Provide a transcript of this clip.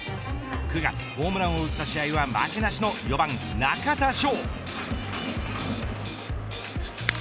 ９月、ホームランを打った試合は負けなしの４番中田翔。